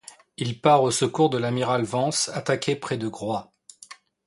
Il part au secours de l'amiral Vence, attaqué près de Groix.